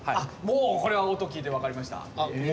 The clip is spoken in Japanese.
もうこれは音聴いて分かりました。